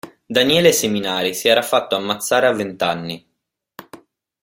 Daniele Seminari si era fatto ammazzare a vent'anni.